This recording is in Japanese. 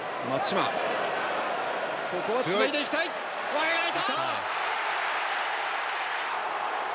前があいた！